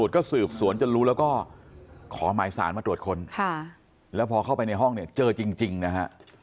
ก็สืบสวนจนรู้แล้วก็ขอหมายสารมาตรวจค้นแล้วพอเข้าไปในห้องเนี่ยเจอจริงนะฮะ